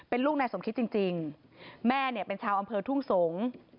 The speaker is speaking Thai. เป็นลูกนายสมคิดจริงแม่เนี่ยเป็นชาวอำเภอทุ่งสงศ์